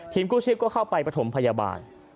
กู้ชีพก็เข้าไปประถมพยาบาล